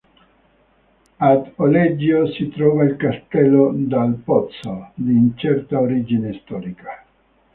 Ad Oleggio si trova il castello Dal Pozzo, di incerta origine storica.